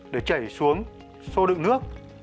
để chảy xuống xô đựng nước